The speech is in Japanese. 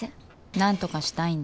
なんとかしたいんだ？